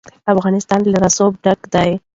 افغانستان له رسوب ډک دی.